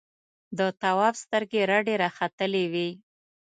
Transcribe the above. د تواب سترګې رډې راختلې وې.